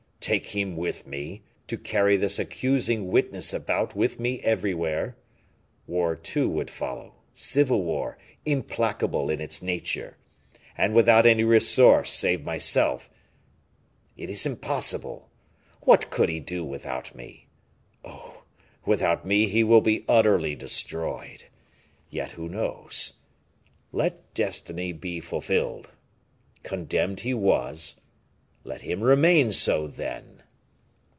Take him with me? To carry this accusing witness about with me everywhere? War, too, would follow civil war, implacable in its nature! And without any resource save myself it is impossible! What could he do without me? Oh! without me he will be utterly destroyed. Yet who knows let destiny be fulfilled condemned he was, let him remain so then!